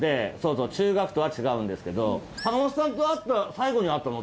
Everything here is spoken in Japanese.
中学は違うんですけど。